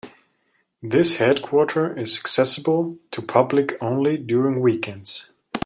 This headquarter is accessible to public only during weekends.